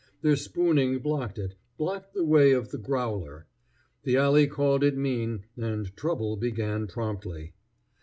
Their spooning blocked it, blocked the way of the growler. The alley called it mean, and trouble began promptly.